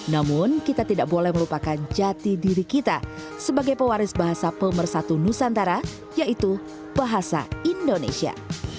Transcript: namun kita tidak boleh melupakan jati diri kita sebagai pewaris bahasa pemersatu nusantara yaitu bahasa indonesia